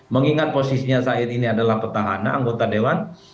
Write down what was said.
mengingat posisinya saat ini adalah petahana anggota dewan